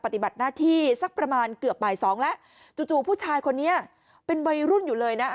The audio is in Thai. ปฏิบัติหน้าที่สักประมาณเกือบบ่ายสองแล้วจู่จู่ผู้ชายคนนี้เป็นวัยรุ่นอยู่เลยนะ